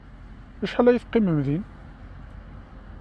Acḥal ay teqqimem din?